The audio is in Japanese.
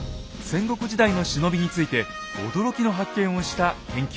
戦国時代の忍びについて驚きの発見をした研究者です。